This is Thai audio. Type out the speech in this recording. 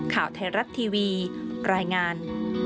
ข่าวไทยรัฐทีวีรายงาน